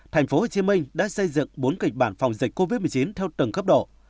thành phố hồ chí minh đã xây dựng bốn kịch bản phòng dịch covid một mươi chín theo từng cấp độ